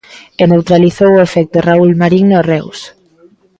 E neutralizou o efecto Raúl Marín no Reus.